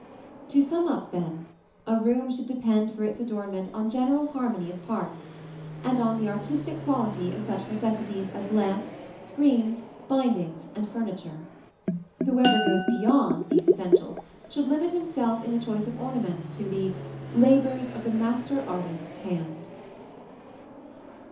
To sum up, then, a room should depend for its adornment on general harmony of parts, and on the artistic quality of such necessities as lamps, screens, bindings, and furniture. Whoever goes beyond these essentials should limit himself in the choice of ornaments to the "labors of the master artist's hand."